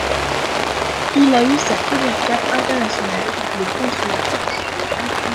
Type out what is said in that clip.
Il a eu sa première cape internationale le contre la France.